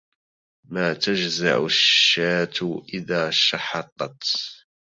ما تجزع الشاة إذا شحطت